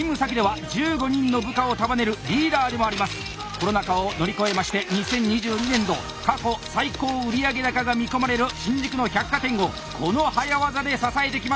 コロナ禍を乗り越えまして２０２２年度過去最高売上高が見込まれる新宿の百貨店をこの早業で支えてきました！